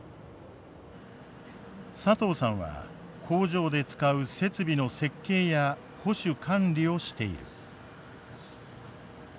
佐藤さんは工場で使う設備の設計や保守管理をしている。